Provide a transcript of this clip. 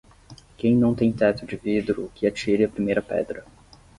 Quem não tem teto de vidro que atire a primeira pedra